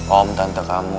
om tante kamu